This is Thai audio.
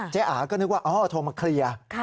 เจ๊อาก็นึกว่าโทรมาเคลียร์